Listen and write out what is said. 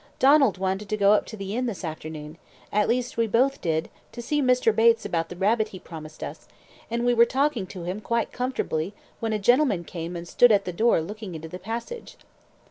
"Donald wanted to go up to the inn this afternoon at least we both did to see Mr. Bates about the rabbit he promised us, and we were talking to him quite comfortably when a gentleman came and stood at the door looking into the passage."